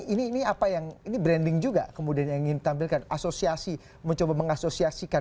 ini apa yang ini branding juga kemudian yang ingin ditampilkan asosiasi mencoba mengasosiasikan